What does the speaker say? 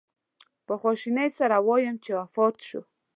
په خواشینۍ سره ووایم چې وفات شو.